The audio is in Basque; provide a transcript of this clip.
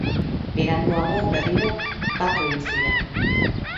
Beranduago berriro batu egin ziren.